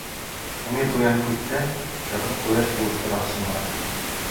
Әмир уянып китһә, яҙғы ҡояш болоттарға сумған.